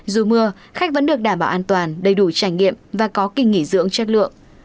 dù mưa khách vẫn được đảm bảo an toàn đầy đủ trải nghiệm và có kỳ nghỉ dưỡng chất lượng